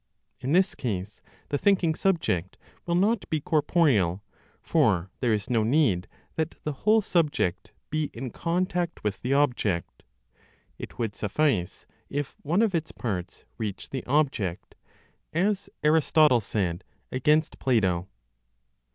In this case, the thinking subject will not be corporeal; for there is no need that the whole subject be in contact with the object; it would suffice if one of its parts reached the object (as Aristotle said against Plato).